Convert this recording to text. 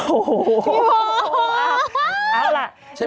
โอ้โฮพี่โม๊ด